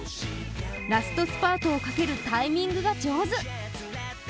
ラストスパートをかけるタイミングが上手。